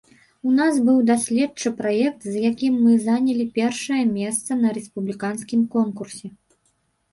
У нас быў даследчы праект, з якім мы занялі першае месца на рэспубліканскім конкурсе.